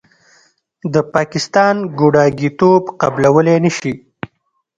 د پاکستان ګوډاګیتوب قبلولې نشي.